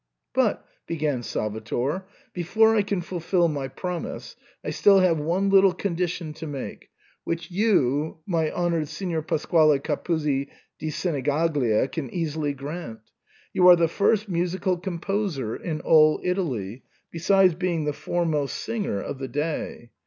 "But," began Salvator, "before I can fulfil my promise, I still have one little condition to make, which you, my honoured Signor Pasquale Capuzzi di Seni gaglia, can easily grant. You are the first musical composer in all Italy, besides being the foremost singer of the day.